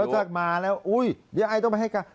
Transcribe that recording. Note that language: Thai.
ถ้ามาแล้วอุ้ยเดี๋ยวไอต้องไปให้การ